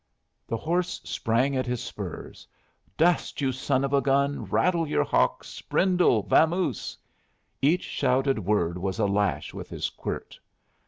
The horse sprang at his spurs. "Dust, you son of a gun! Rattle your hocks! Brindle! Vamoose!" Each shouted word was a lash with his quirt.